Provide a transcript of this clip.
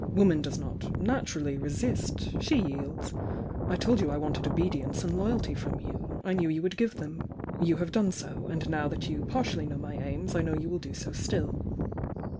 Woman does not naturally resist; she yields. I told you I wanted obedience and loyalty from you, — I knew you would give them. You have done so, and now that you partially know my aims I know you will do so still."